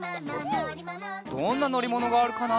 どんなのりものがあるかな？